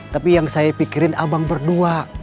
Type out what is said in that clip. tapi yang saya pikirin abang berdua